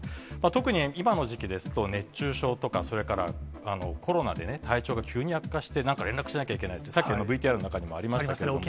特に今の時期ですと、熱中症とか、それから、コロナで体調が急に悪化して、なんか連絡しなきゃいけないって、さっきのＶＴＲの中にもありましたけれども。